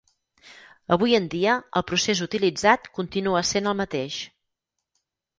Avui en dia el procés utilitzat continua essent el mateix.